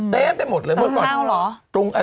เลยเลยฟาพ๑๗๐๐บาท